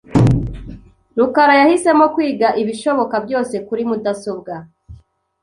rukara yahisemo kwiga ibishoboka byose kuri mudasobwa .